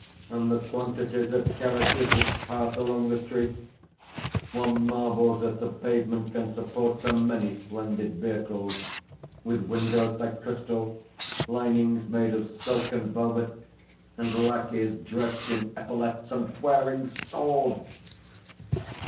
And the quantities of carriages which pass along the street! One marvels that the pavement can support so many splendid vehicles, with windows like crystal, linings made of silk and velvet, and lacqueys dressed in epaulets and wearing swords!